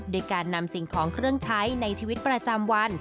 โดยการนำสิ่งของเครื่องใช้ในชีวิตประจำวัน